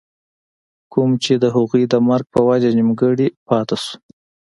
کوم چې َد هغوي د مرګ پۀ وجه نيمګري پاتې شو